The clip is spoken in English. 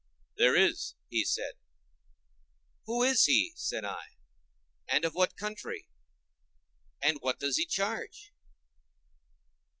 "There is," he said. "Who is he?" said I, "and of what country? and what does he charge?"